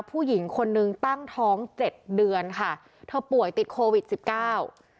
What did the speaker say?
ผู้หญิงคนนึงตั้งท้องเจ็ดเดือนค่ะเธอป่วยติดโควิดสิบเก้า